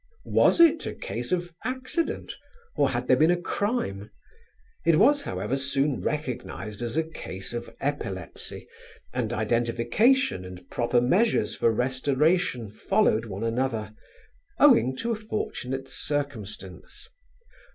Was it a case of accident, or had there been a crime? It was, however, soon recognized as a case of epilepsy, and identification and proper measures for restoration followed one another, owing to a fortunate circumstance.